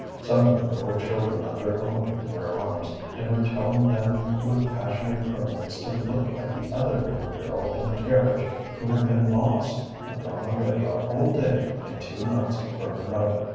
Some of them bore children of their own in their arms, and were telling them with passionate croonings to look at the other little girl in the carriage who had been lost, and gone away a whole day and two nights from her mother.